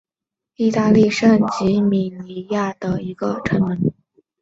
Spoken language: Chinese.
圣若望门是意大利圣吉米尼亚诺城墙上最重要的一个城门。